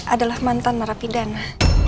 adalah mantan marapidana